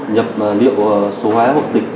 nhập liệu số hóa hộ tịch